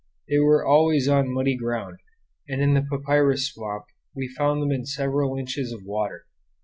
They were always on muddy ground, and in the papyrus swamp we found them in several inches of water.